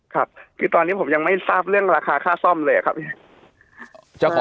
ครับคือตอนนี้ผมยังไม่ทราบเรื่องราคาค่าซ่อมเลยครับพี่